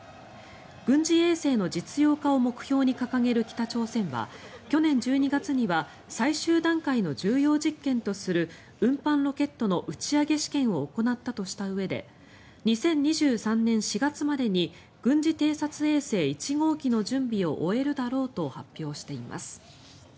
軍事衛星の実用化を目標に掲げる北朝鮮は去年１２月には最終段階の重要実験とする運搬ロケットの打ち上げ試験を行ったとしたうえで２０２３年４月までに軍事偵察衛星１号機の準備を終えるだろうと発表しています。